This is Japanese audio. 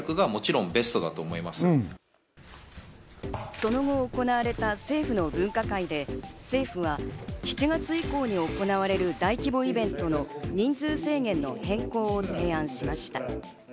その後、行われた政府の分科会で、政府は７月以降に行われる大規模イベントの人数制限の変更を提案しました。